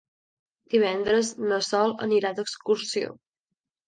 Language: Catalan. Divendres na Sol anirà d'excursió.